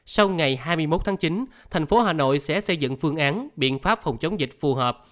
sau ngày hai mươi một tháng chín thành phố hà nội sẽ xây dựng phương án biện pháp phòng chống dịch phù hợp